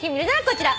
こちら。